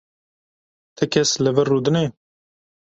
Ti kes li vir rûdine?